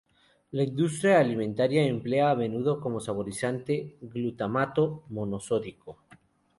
La industria alimentaria emplea a menudo como saborizante glutamato monosódico.